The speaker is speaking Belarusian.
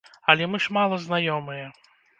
Але мы ж мала знаёмыя.